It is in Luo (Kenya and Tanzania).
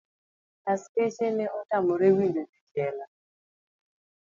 Askeche ne otamre winjo jojela.